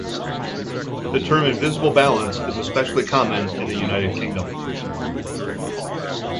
The term 'invisible balance' is especially common in the United Kingdom.